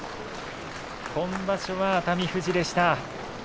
今場所は熱海富士でした。